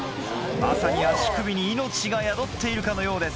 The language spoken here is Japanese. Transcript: まさに足首に命が宿っているかのようです。